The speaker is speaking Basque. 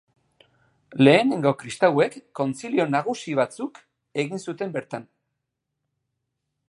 Lehenengo kristauek Kontzilio nagusi batzuk egin zuten bertan.